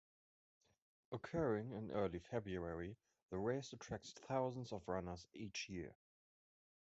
Occurring in early February, the race attracts thousands of runners each year.